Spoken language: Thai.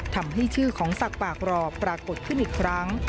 ทำให้ชื่อของศักดิ์ปากรอปรากฏขึ้นอีกครั้ง